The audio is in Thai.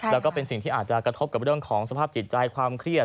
แล้วก็เป็นสิ่งที่อาจจะกระทบกับเรื่องของสภาพจิตใจความเครียด